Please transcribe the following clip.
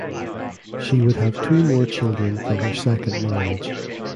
She would have two more children from her second marriage.